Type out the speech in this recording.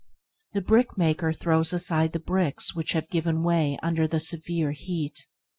The brickmaker throws aside the bricks which have given way under the severe heat.